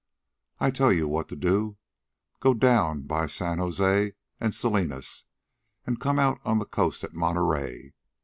I tell you what you do. Go down by San Jose and Salinas an' come out on the coast at Monterey.